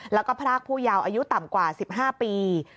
แล้วก็พรากผู้ยาวอายุต่ำกว่า๑๕ปี